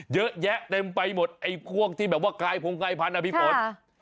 เยอะแยะเต็มไปหมดไอ้พวกที่แบบว่ากายพงไขพันธุ์อภิกษ์